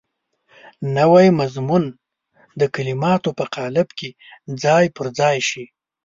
نوی مضمون د کلماتو په قالب کې ځای پر ځای شي.